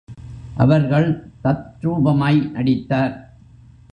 அவர்கள் தத்ரூபமாய் நடித்தார்.